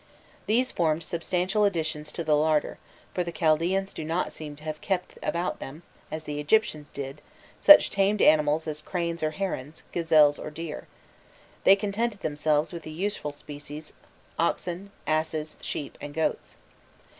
These formed substantial additions to the larder, for the Chaldaeans do not seem to have kept about them, as the Egyptians did, such tamed animals as cranes or herons, gazelles or deer: they contented themselves with the useful species, oxen, asses, sheep, and goats.